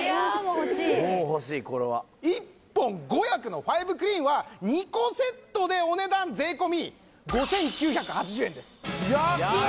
１本５役のファイブクリーンは２個セットでお値段税込５９８０円です安い！